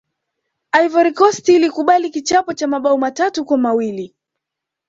ivory coast ilikubali kichapo cha mabao matatu kwa mawili